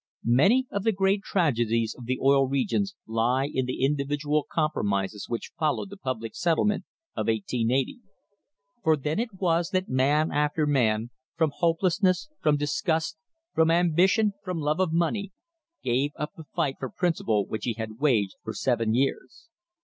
Many of the great human tragedies of the Oil Regions lie in the individual compromises which followed the public settlement of 1880; for then it was that man after man, from hopelessness, from disgust, from ambition, from love of money, gave up the fight for principle which he had waged for seven years.